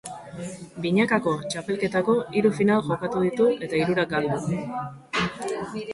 Binakako txapelketako hiru final jokatu ditu eta hirurak galdu.